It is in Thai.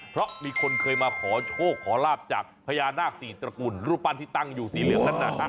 เพราะมีคนเคยมาขอโชคขอลาบจากพญานาคสี่ตระกูลรูปปั้นที่ตั้งอยู่สีเหลืองนั้นนะฮะ